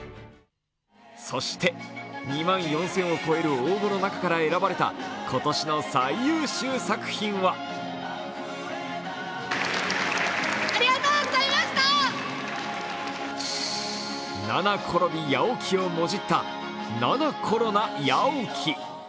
そして、２万４０００を超える応募の中から選ばれた今年の最優秀作品は七転び八起きをもじった七菌八起。